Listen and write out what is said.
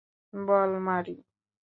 বল, মারি।